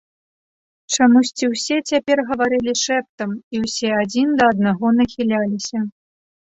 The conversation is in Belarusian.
Чамусьці ўсе цяпер гаварылі шэптам і ўсе адзін да аднаго нахіляліся.